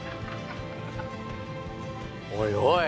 おいおい！